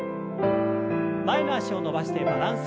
前の脚を伸ばしてバランス。